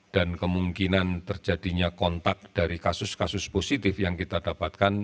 dan kemungkinan terjadinya kontak dari kasus kasus positif yang kita dapatkan